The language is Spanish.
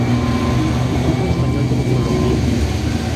Instituto Español de Metrología.